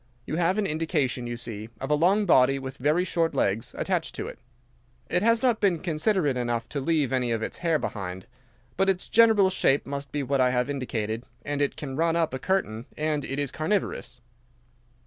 You have an indication, you see, of a long body with very short legs attached to it. It has not been considerate enough to leave any of its hair behind it. But its general shape must be what I have indicated, and it can run up a curtain, and it is carnivorous."